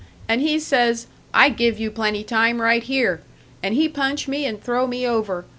And he says, 'I give you plenty time right here!' And he punch me and throw me over.